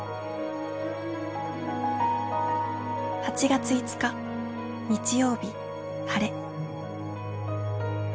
「８月５日日曜日晴れ」。